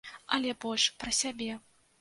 Але больш пра сябе.